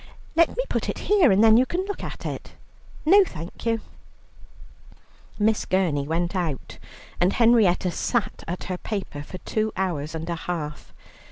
Let me put it here, and then you can look at it." "No, thank you." Miss Gurney went out, and Henrietta sat at her paper for two hours and a half.